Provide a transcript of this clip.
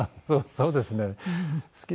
そうですね。